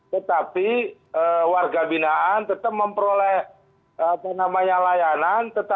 tetapi warga binaan tetap memperoleh apa namanya layanan